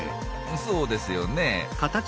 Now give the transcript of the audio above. そうですよね。